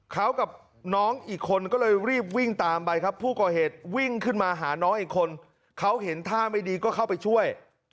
เขากับน้องอีกคนก็เลยรีบวิ่งตามไปครับผู้ก่อเหตุวิ่งขึ้นมาหาน้องอีกคนเขาเห็นท่าไม่ดีก็เข้าไปช่วย